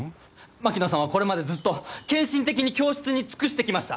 槙野さんはこれまでずっと献身的に教室に尽くしてきました！